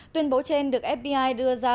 tuyên bố trên được fbi đưa ra